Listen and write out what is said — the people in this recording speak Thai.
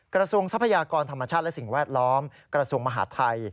ทรัพยากรธรรมชาติและสิ่งแวดล้อมกระทรวงมหาดไทย